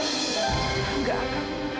aku gak akan